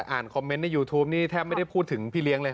คอมเมนต์ในยูทูปนี่แทบไม่ได้พูดถึงพี่เลี้ยงเลย